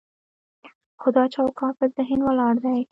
خو دا چوکاټ په ذهن ولاړ دی.